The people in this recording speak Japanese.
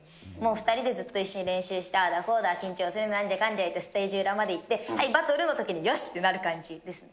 ２人でずっと一緒に練習してああだ、こうだ、緊張するな、なんじゃかんじゃ言って、ステージ裏まで行って、はい、バトルのときによし！ってなる感じですね。